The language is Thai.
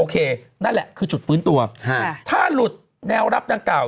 นั่นแหละคือจุดฟื้นตัวถ้าหลุดแนวรับดังกล่าว